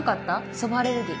蕎麦アレルギー